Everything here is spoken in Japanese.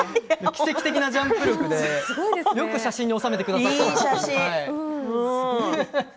奇跡的なジャンプ力でよく写真に収めてくれました。